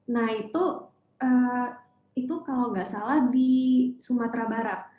nah itu kalau nggak salah di sumatera barat